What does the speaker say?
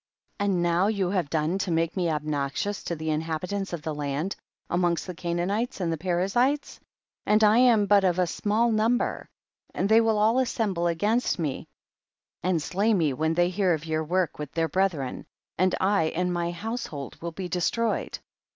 33. And now you have done to make me obnoxious to the inhabit ants of the land, amongst the Ca naanites and the Perizzites, and I am but of a small number, and they will all assemble against me and slay 102 THE BOOK OF JASHER. me when they hear of your work with their brethren, and I and my household will be destroyed.